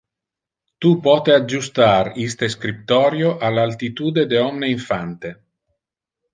Tu pote adjustar iste scriptorio al altitude de omne infante.